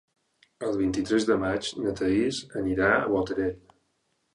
El vint-i-tres de maig na Thaís anirà a Botarell.